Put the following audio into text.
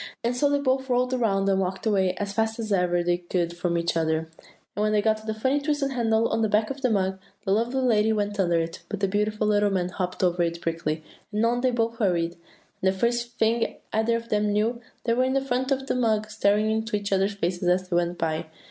"And so they both whirled around, and walked away as fast as ever they could from each other; and when they got to the funny twisted handle on the back of the mug, the lovely lady went under it, but the beautiful little man hopped over it briskly, and on they both hurried; and the first thing either of them knew, there they were on the front of the mug staring into each other's faces as they went by.